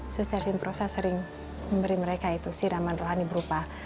suster simprosa sering memberi mereka itu siraman rohani berupa